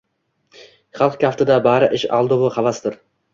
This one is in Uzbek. Xalq kaftida bari ish aldovu havasdir